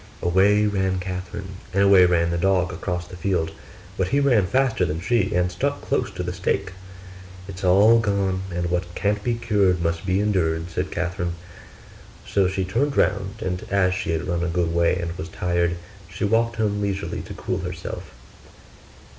Away ran Catherine, and away ran the dog across the field: but he ran faster than she, and stuck close to the steak. 'It's all gone, and "what can't be cured must be endured",' said Catherine. So she turned round; and as she had run a good way and was tired, she walked home leisurely to cool herself.